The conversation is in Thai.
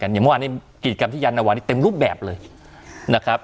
อย่างเมื่อวานนี้กิจกรรมที่ยานวานี่เต็มรูปแบบเลยนะครับ